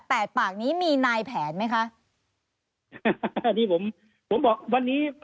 ดปากนี้มีนายแผนไหมคะอ่าที่ผมผมบอกวันนี้